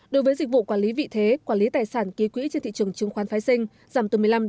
đối với dịch vụ quản lý vị thế quản lý tài sản ký quỹ trên thị trường chứng khoán phái sinh giảm từ một mươi năm